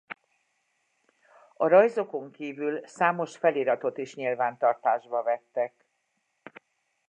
A rajzokon kívül számos feliratot is nyilvántartásba vettek.